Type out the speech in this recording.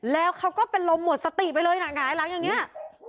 แล้วเขาก็เป็นลมหมดสติไปเลยหลังอย่างเนี้ย